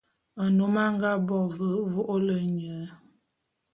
Nnôm a nga bo ve vô'ôlô nye.